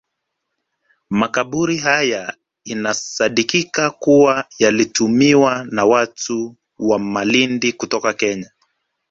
Makaburi haya inasadikika kuwa yalitumiwa na watu wa Malindi kutoka Kenya